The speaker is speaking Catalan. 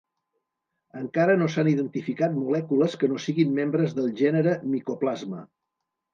Encara no s'han identificat molècules que no siguin membre del gènere "Mycoplasma".